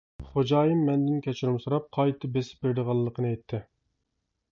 خوجايىن مەندىن كەچۈرۈم سوراپ، قايتا بېسىپ بېرىدىغانلىقى ئېيتتى.